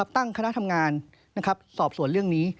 ตั้งคณะทำงานสอบสวนเรื่องนี้